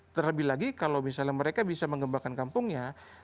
terlebih lagi kalau misalnya mereka bisa mengembangkan kampungnya